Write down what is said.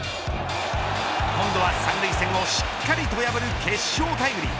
今度は三塁線をしっかりと破る決勝タイムリー。